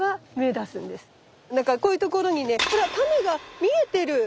だからこういうところにねほらタネが見えてる。